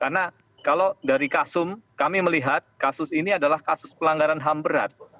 karena kalau dari kasum kami melihat kasus ini adalah kasus pelanggaran ham berat